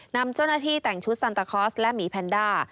นำเจ้าหน้าที่แต่งชุดซันตาคอร์สและหมีแพนด้า